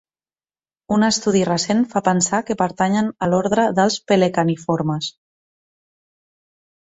Un estudi recent fa pensar que pertanyen a l'ordre dels pelecaniformes.